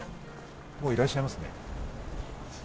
もういらしゃいますね。